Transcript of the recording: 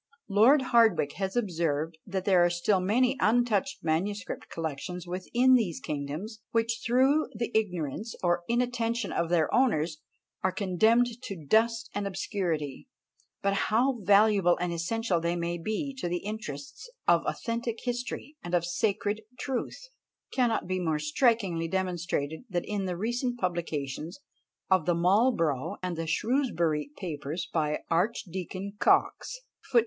Lord Hardwicke has observed, that there are still many untouched manuscript collections within these kingdoms, which, through the ignorance or inattention of their owners, are condemned to dust and obscurity; but how valuable and essential they may be to the interests of authentic history and of sacred truth, cannot be more strikingly demonstrated than in the recent publications of the Marlborough and the Shrewsbury Papers by Archdeacon Coxe.